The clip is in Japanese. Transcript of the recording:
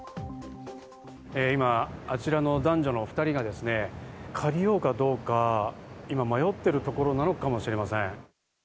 今、あちらの男女２人が借りようかどうか迷っているところなのかもしれません。